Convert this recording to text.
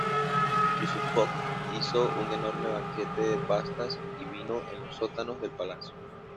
Yusúpov hizo un enorme banquete de pastas y vino en los sótanos del palacio.